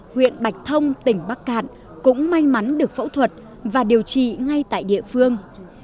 huyện bạch thông tỉnh bắc cạn cũng may mắn được phẫu thuật và điều trị ngay tại địa phương